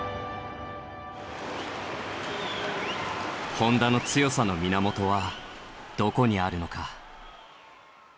本多の強さの源はどこにあるのか？